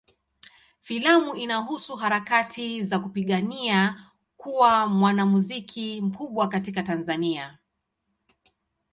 Filamu inahusu harakati za kupigania kuwa mwanamuziki mkubwa katika Tanzania.